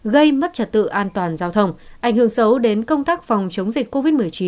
gây mất trật tự an toàn giao thông ảnh hưởng xấu đến công tác phòng chống dịch covid một mươi chín